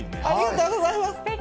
ありがとうございます。